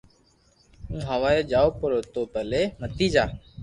ھون ھوارو جاو پرو تو ڀلي متيجا